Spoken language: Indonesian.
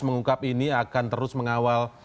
mengungkap ini akan terus mengawal